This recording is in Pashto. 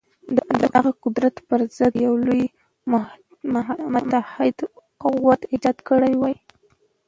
د هغه قدرت پر ضد یو لوی متحد قوت ایجاد کړی وای.